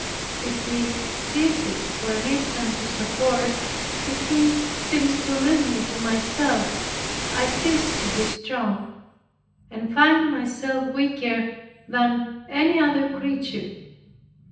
If He ceases for an instant to support, if He seems to leave me to myself, I cease to be strong, and find myself weaker than any other creature.